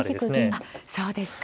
あっそうですか。